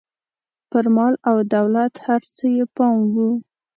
پر مال او دولت هر څه یې پام و.